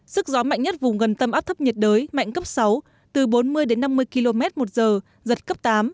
sức gió mạnh nhất vùng gần tâm áp thấp nhiệt đới mạnh cấp sáu từ bốn mươi đến năm mươi km một giờ giật cấp tám